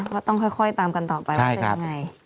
ก็ต้องค่อยตามกันต่อไปว่าจะยังไง